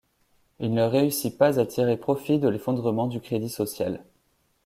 Il ne réussit pas à tirer profit de l'effondrement du Crédit social.